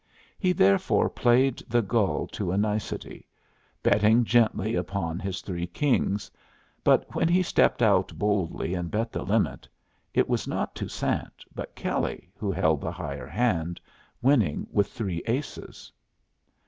He therefore played the gull to a nicety, betting gently upon his three kings; but when he stepped out boldly and bet the limit, it was not Toussaint but Kelley who held the higher hand, winning with three aces.